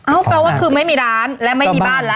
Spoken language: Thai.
แปลว่าคือไม่มีร้านและไม่มีบ้านแล้ว